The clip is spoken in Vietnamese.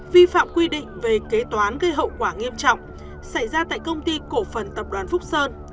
vi phạm quy định về kế toán gây hậu quả nghiêm trọng xảy ra tại công ty cổ phần tập đoàn phúc sơn